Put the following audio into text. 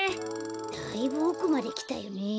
だいぶおくまできたよねえ。